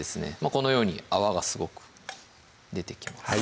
このように泡がすごく出てきます